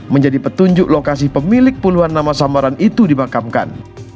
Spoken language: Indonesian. menjadi petunjuk lokasi pemilik puluhan nama samaran itu dimakamkan